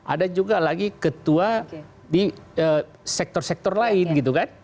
ada juga lagi ketua di sektor sektor lain gitu kan